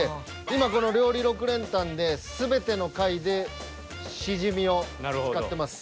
今この料理６連単で全ての回でシジミを使ってます。